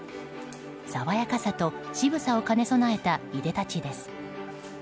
爽やかさと渋さを兼ね備えたいでたちです。